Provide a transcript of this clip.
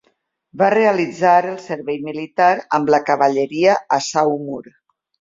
Va realitzar el servei militar amb la cavalleria a Saumur.